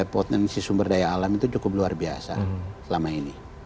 potensi sumber daya alam itu cukup luar biasa selama ini